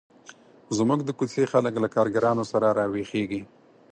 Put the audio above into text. زموږ د کوڅې خلک له کارګرانو سره را ویښیږي.